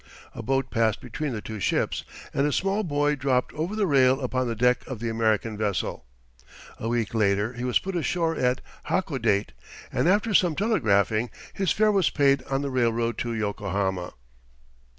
A boat passed between the two ships, and a small boy dropped over the rail upon the deck of the American vessel. A week later he was put ashore at Hakodate, and after some telegraphing, his fare was paid on the railroad to Yokohama.